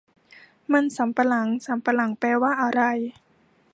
มันสำปะหลัง สำปะหลังแปลว่าอะไร